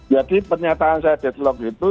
jadi pernyataan saya deadlock itu